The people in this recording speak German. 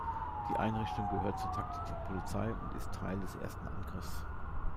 Die Einrichtung gehört zur Taktik der Polizei und ist Teil des Ersten Angriffs.